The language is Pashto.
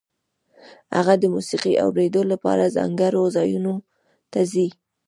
هغه د موسیقۍ اورېدو لپاره ځانګړو ځایونو ته ځي